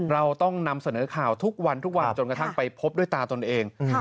เราต้องนำเสนอข่าวทุกวันทุกวันจนกระทั่งไปพบด้วยตาตนเอง